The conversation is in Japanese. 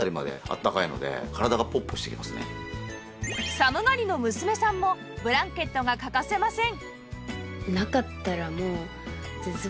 寒がりの娘さんもブランケットが欠かせません